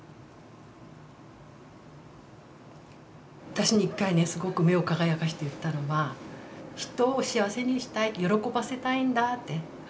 私に一回ねすごく目を輝かせて言ったのは人を幸せにしたい喜ばせたいんだって。